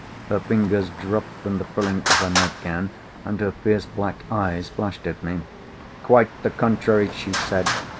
Her fingers dropped from the frilling of her nightgown, and her fierce black eyes flashed at me. "Quite the contrary!" she said.